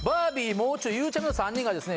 もう中ゆうちゃみの３人がですね